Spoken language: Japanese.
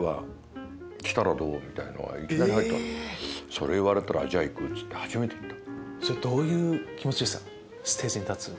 それ言われたら行く！って初めて行った。